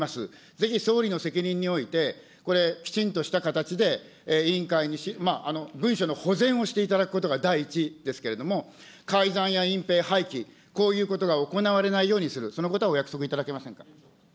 ぜひ総理の責任において、これ、きちんとした形で委員会に、文書の保全をしていただくことが第一ですけれども、改ざんや隠蔽、廃棄、こういうことが行われないようにする、そのことはお約束いただけませんか。